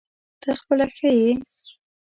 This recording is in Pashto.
ته خپله ښه یې ؟